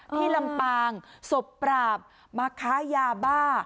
ลำปางศพปราบมาค้ายาบ้า